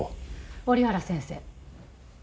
折原先生。